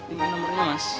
ini nomernya mas